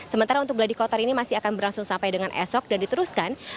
sementara untuk gladi kotor ini masih akan berlangsung sampai dengan esok dan diteruskan